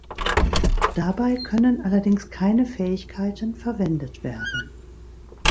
Dabei können allerdings keine Fähigkeiten verwendet werden.